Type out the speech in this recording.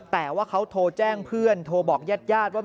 แต่ว่าเขาโทรแจ้งเพื่อนโทรบอกญาติญาติว่า